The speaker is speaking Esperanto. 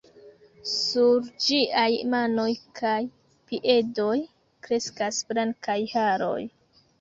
Sur ĝiaj manoj kaj piedoj kreskas blankaj haroj.